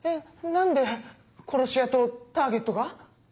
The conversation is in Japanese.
何で殺し屋とターゲットが？